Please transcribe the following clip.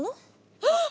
あっ！